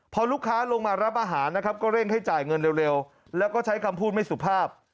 พอลูกค้าลงมารับอาหารนะครับก็เร่งให้จ่ายเงินเร็วแล้วก็ใช้คำพูดไม่สุภาพ